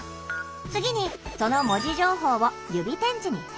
次にその文字情報を指点字に変換。